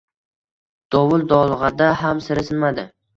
Dovul-dolg‘ada ham sira sinmadi